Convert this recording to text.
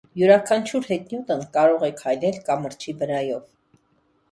Յուրաքանչյուր հետիոտն կարող է քայլել կամրջի վրայով։